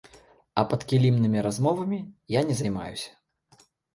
А падкілімнымі размовамі я не займаюся.